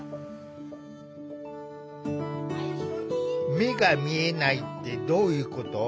目が見えないってどういうこと？